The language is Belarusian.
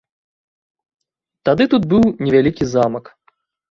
Тады тут быў невялікі замак.